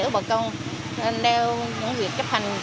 bộ công đeo những việc chấp hành